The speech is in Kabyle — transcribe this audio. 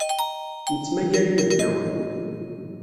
Nettmagar inebgawen.